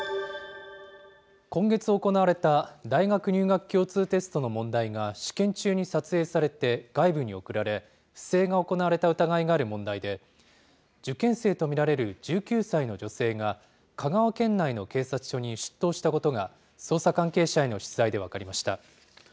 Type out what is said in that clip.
今月行われた大学入学共通テストの問題が試験中に撮影されて外部に送られ、不正が行われた疑いがある問題で、受験生と見られる１９歳の女性が、香川県内の警察署に出頭したことが、捜査関係者への取材で分かりました。